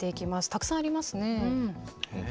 たくさんありますね。